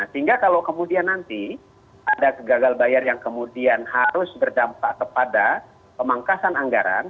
sehingga kalau kemudian nanti ada gagal bayar yang kemudian harus berdampak kepada pemangkasan anggaran